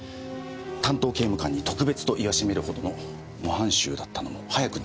担当刑務官に特別と言わしめるほどの模範囚だったのも早く出るため。